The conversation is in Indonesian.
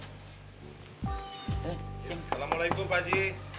assalamualaikum pak ji